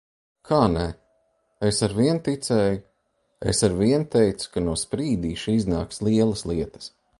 Kā nē? Es arvien ticēju! Es arvien teicu, ka no Sprīdīša iznāks lielas lietas.